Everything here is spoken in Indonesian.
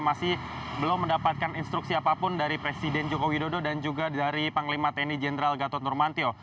masih belum mendapatkan instruksi apapun dari presiden joko widodo dan juga dari panglima tni jenderal gatot nurmantio